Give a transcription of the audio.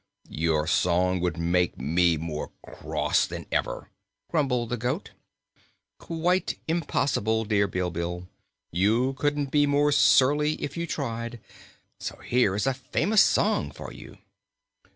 "Your song would make me more cross than ever," grumbled the goat. "Quite impossible, dear Bilbil. You couldn't be more surly if you tried. So here is a famous song for you."